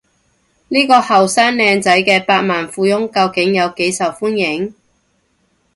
呢個後生靚仔嘅百萬富翁究竟有幾受歡迎？